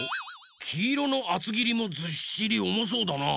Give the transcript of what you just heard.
きいろのあつぎりもずっしりおもそうだな。